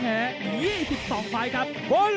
เหลือ๑๕ไฟล์ยังมี๑๙ไฟล์